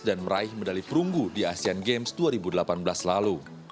dan meraih medali perunggu di asian games dua ribu delapan belas lalu